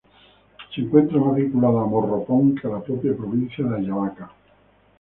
Se encuentra más vinculado a Morropón que a la propia provincia de Ayabaca.